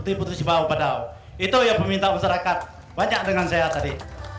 ini pertusibau badau itu yang meminta masyarakat banyak dengan saya tadi